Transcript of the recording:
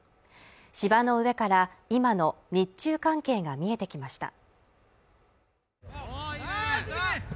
芝の上から今の日中関係が見えてきました